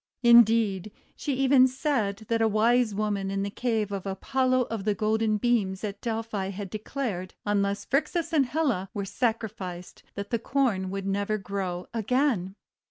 Indeed, she even said that a Wisewoman in the cave of Apollo of the Golden Beams at Delphi had declared, unless Phrixus and Helle were sacri ficed, that the Corn would never grow again.